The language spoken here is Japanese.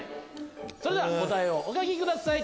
それでは答えをお書きください。